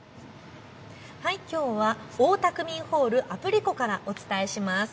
きょうは大田区民ホール・アプリコからお伝えします。